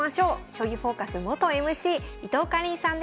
「将棋フォーカス」元ＭＣ伊藤かりんさんです。